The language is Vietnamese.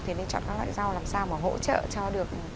thì nên chọn các loại rau làm sao mà hỗ trợ cho được